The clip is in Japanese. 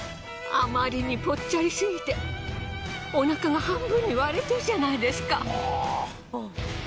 あまりにぽっちゃりすぎてお腹が半分に割れてるじゃないですか。